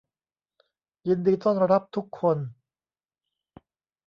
ยินดีต้อนรับทุกคน